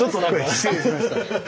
失礼しました。